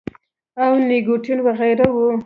او نيکوټین وغېره وي -